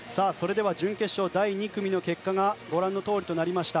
準決勝第２組の結果はご覧のとおりとなりました。